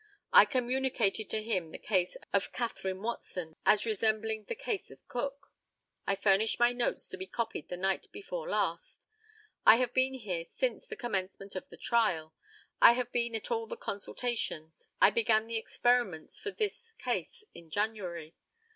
I communicated to him the case of Catherine Watson, as resembling the case of Cook. I furnished my notes to be copied the night before last. I have been here since the commencement of the trial. I have been at all the consultations. I began the experiments for this case in January.